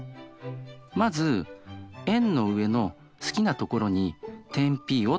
まず円の上の好きな所に点Ｐを取ります。